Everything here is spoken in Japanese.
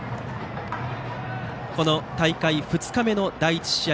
大会２日目の第１試合